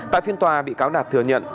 tại phiên tòa bị cáo đạt thừa nhận